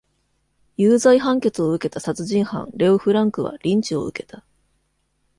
有罪判決を受けた殺人犯レオ・フランクはリンチを受けた。